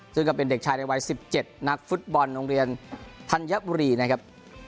ซึ่งก็เป็นเด็กชายในวัย๑๗นักฟุตบอลโรงเรียนธัญบุรีนะครับ